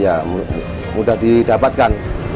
ya mudah didapatkan